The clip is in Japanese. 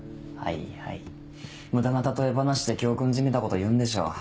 はいはい無駄な例え話で教訓じみたこと言うんでしょ。